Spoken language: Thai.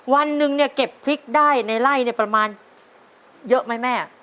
วันหนึ่งเนี่ยเก็บพริกได้ในไล่เนี่ยประมาณเยอะไหมแม่